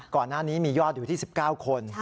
ก่อนหน้านี้มียอดอยู่ที่๑๙คน